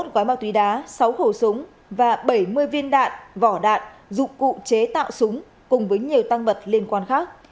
một gói ma túy đá sáu khẩu súng và bảy mươi viên đạn vỏ đạn dụng cụ chế tạo súng cùng với nhiều tăng vật liên quan khác